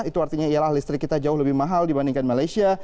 itu artinya ialah listrik kita jauh lebih mahal dibandingkan malaysia